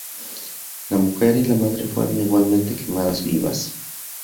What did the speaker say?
La mujer y la madre fueron igualmente quemadas vivas.